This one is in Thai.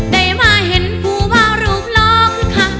แดยมาเห็นผูวาวรูบล่อขึ้กคะ